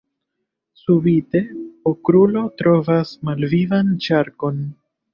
Subite, Okrulo trovas malvivan ŝarkon.